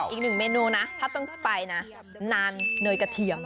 อีกหนึ่งเมนูนะถ้าต้องไปนะนานเนยกระเทียม